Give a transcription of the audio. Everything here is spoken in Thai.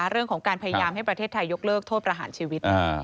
เรื่องของการพยายามให้ประเทศไทยยกเลิกโทษประหารชีวิต